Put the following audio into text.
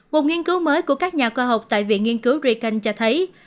một nghiên cứu mới của các nhà khoa học tại viện nghiên cứu reken cho thấy